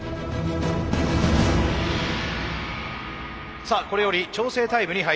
さあこれより調整タイムに入ります。